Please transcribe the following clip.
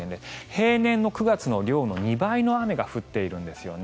平年の９月の量の２倍の雨が降っているんですね。